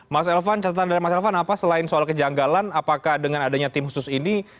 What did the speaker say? mas elvan catatan dari mas elvan apa selain soal kejanggalan apakah dengan adanya tim khusus ini